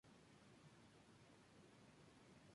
Las inflorescencias en umbelas terminales.